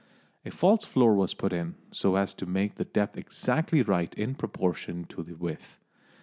A false floor was put in, so as to make the depth exactly right in proportion to the width.